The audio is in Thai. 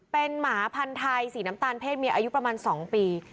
เป็นหมาพันธุ์ไทยสีน้ำตาลเพศเมียอายุประมาณ๒ปี